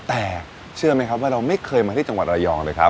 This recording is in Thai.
แต่เชื่อไหมครับว่าเราไม่เคยมาที่จังหวัดระยองเลยครับ